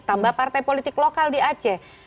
tambah partai politik lokal di aceh